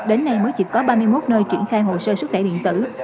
đến nay mới chỉ có ba mươi một nơi triển khai hồ sơ sức khỏe điện tử